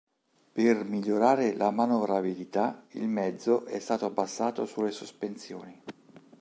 Per migliorare la manovrabilità, il mezzo è stato abbassato sulle sospensioni.